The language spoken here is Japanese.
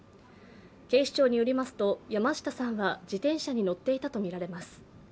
警視庁によりますと、山下さんは自転車に乗っていたとみられます。